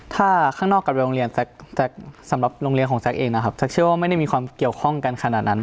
ถ้าข้างนอกกลับไปโรงเรียนสำหรับโรงเรียนของแจ๊คเองนะครับแจ๊คเชื่อว่าไม่ได้มีความเกี่ยวข้องกันขนาดนั้น